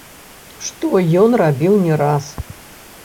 Што ён рабіў не раз.